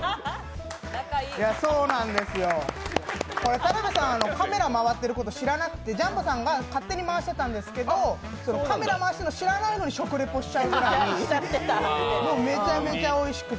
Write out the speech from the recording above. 田辺さん、カメラが回っていたこと知らなくてジャンボさんが勝手に回してたんですけどカメラ回してるの知らないのに食レポしちゃうぐらいもうめちゃめちゃおいしくて。